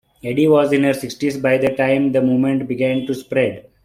Eddy was in her sixties by the time the movement began to spread.